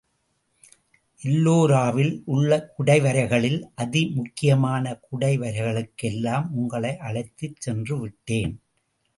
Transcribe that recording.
எல்லோராவில் உள்ள குடைவரைகளில் அதிமுக்கியமான குடைவரைகளுக்கு எல்லாம் உங்களை அழைத்துச் சென்றுவிட்டேன்.